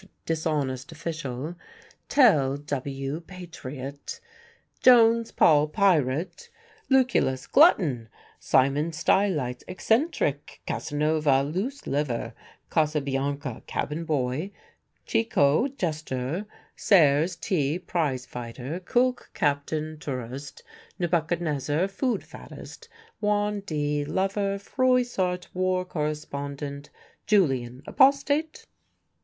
dishonest official; Tell, W., patriot; Jones, Paul, pirate; Lucullus, glutton; Simon Stylites, eccentric; Casanova, loose liver; Casabianca, cabin boy; Chicot, jester; Sayers, T., prize fighter; Cook, Captain, tourist; Nebuchadnezzar, food faddist; Juan, D., lover; Froissart, war correspondent; Julian, apostate?"